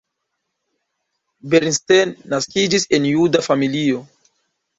Bernstein naskiĝis en juda familio.